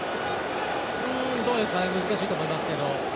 難しいと思いますけど。